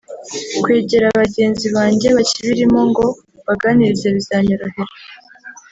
kwegera bagenzi banjye bakibirimo ngo mbaganirize bizanyorohera